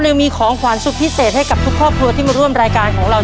เรามีของขวัญสุดพิเศษให้กับทุกครอบครัวที่มาร่วมรายการของเรา